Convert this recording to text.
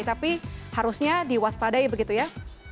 tapi harusnya diwaspadai begitu ya